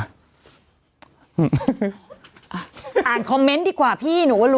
อ่านคอมเมนต์ดีกว่าพี่หนูว่ารู้